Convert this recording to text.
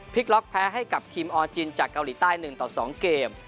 ภาคแพ้ให้กับคิมออร์จินจากเกาหลีใต้นึงต่อสองเกม